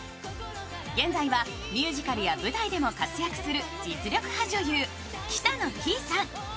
現在はミュージカルや舞台でも活躍する実力派女優・北乃きいさん。